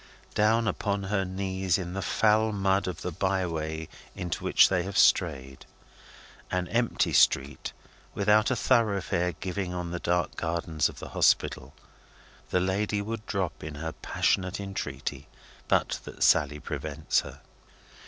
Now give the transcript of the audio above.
Down upon her knees in the foul mud of the by way into which they have strayed an empty street without a thoroughfare giving on the dark gardens of the Hospital the lady would drop in her passionate entreaty, but that Sally prevents her.